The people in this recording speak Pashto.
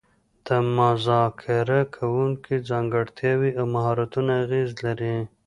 د مذاکره کوونکو ځانګړتیاوې او مهارتونه اغیز لري